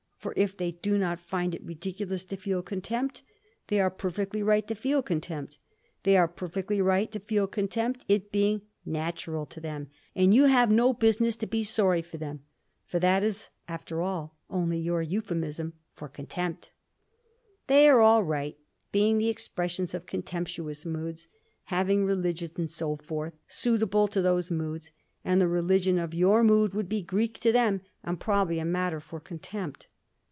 For if they do not find it ridiculous to feel contempt, they are perfectly right to feel contempt, it being natural to them; and you have no business to be sorry for them, for that is, after all, only your euphemism for contempt. They are all right, being the expressions of contemptuous moods, having religions and so forth, suitable to these moods; and the religion of your mood would be Greek to them, and probably a matter for contempt.